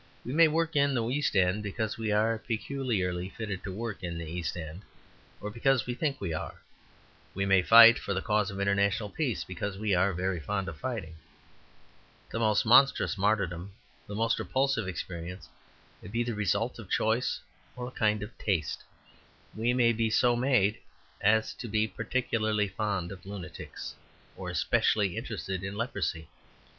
We may work in the East End because we are peculiarly fitted to work in the East End, or because we think we are; we may fight for the cause of international peace because we are very fond of fighting. The most monstrous martyrdom, the most repulsive experience, may be the result of choice or a kind of taste. We may be so made as to be particularly fond of lunatics or specially interested in leprosy.